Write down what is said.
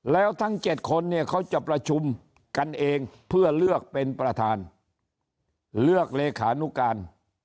แล้วทั้ง๗คนเนี่ยเขาจะประชุมกันเองเพื่อเลือกเป็นประธานเลือกเลขานุการ